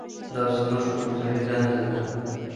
دا زموږ کلتوري دنده ده.